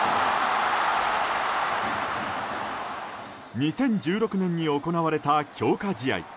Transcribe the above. ２０１６年に行われた強化試合。